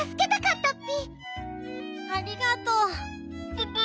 ププ！